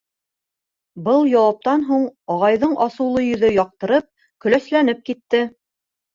Был яуаптан һуң ағайҙың асыулы йөҙө яҡтырып, көләсләнеп китте.